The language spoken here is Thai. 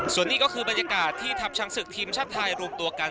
ส่วนนี้ก็คือบรรยากาศที่ทัพช้างศึกทีมชาติไทยรวมตัวกัน